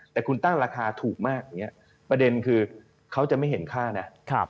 แต่คุณตั้งราคาถูกมากอย่างนี้ประเด็นคือเขาจะไม่เห็นค่านะ